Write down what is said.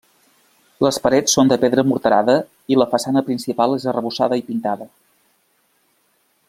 Les parets són de pedra morterada i la façana principal és arrebossada i pintada.